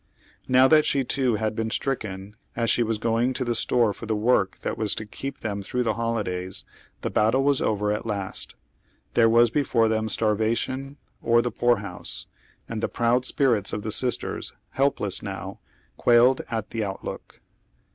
Kow that slie too had been stricken, as she was going to the store for the work that was to keep them through the holidays, the battle was over at last. There was before them starvation, or the poor house. And the proud spirits of the sisters, helpless now, quailed at the outlook.